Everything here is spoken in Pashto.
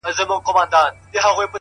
کندهار دی- که کجرات دی- که اعجاز دی-